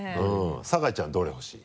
酒井ちゃんどれほしい？